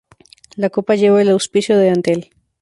La copa lleva el auspicio de Antel.